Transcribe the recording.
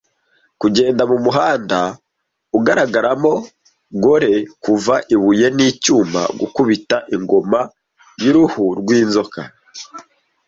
Kugenda mumuhanda , ugaragaramo gore kuva ibuye n'icyuma, gukubita ingoma y'uruhu rwinzoka,